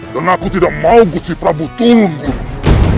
dan aku tidak mau musti pragu turun gulung